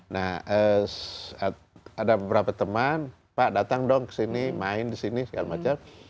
nah ada beberapa teman pak datang dong kesini main di sini segala macam